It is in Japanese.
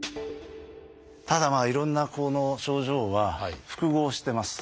ただいろんなこの症状は複合してます。